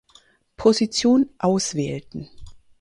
Position auswählten.